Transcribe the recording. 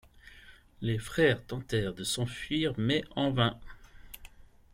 Les frères tentèrent de s'enfuir, mais en vain.